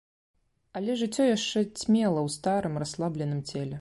Але жыццё яшчэ цьмела ў старым, расслабленым целе.